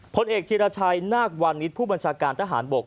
ผลเอกเทียราชัยนาควันนิษฐ์ผู้บัญชาการทหารบก